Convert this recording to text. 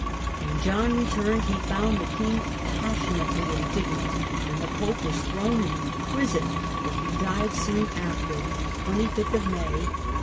When John returned he Dund the King passionately indignant, and the Pope /as thrown into prison, where he died soon after (25th lay, 526).